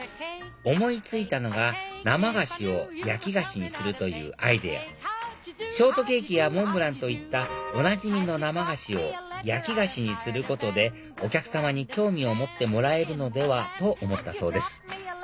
思い付いたのが生菓子を焼き菓子にするというアイデアショートケーキやモンブランといったおなじみの生菓子を焼き菓子にすることでお客様に興味を持ってもらえるのでは？と思ったそうです